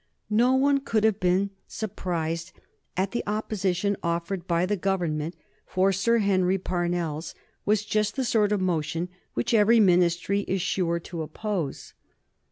No one could have been surprised at the opposition offered by the Government, for Sir Henry Parnell's was just the sort of motion which every Ministry is sure to oppose.